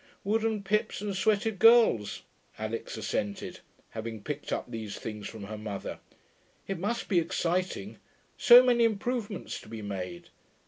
'Wooden pips and sweated girls,' Alix assented, having picked up these things from her mother. 'It must be exciting: so many improvements to be made.'